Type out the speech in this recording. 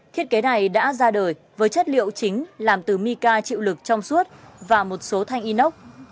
thiết kế này đã ra đời với chất liệu chính làm từ mika chịu lực trong suốt và một số thanh inox